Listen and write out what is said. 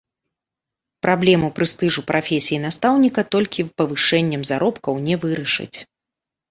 Праблему прэстыжу прафесіі настаўніка толькі павышэннем заробкаў не вырашыць.